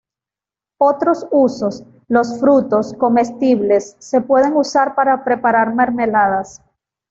Otros usos: Los frutos, comestibles, se pueden usar para preparar mermeladas.